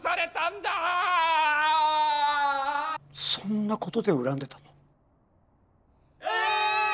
そんなことで恨んでたの？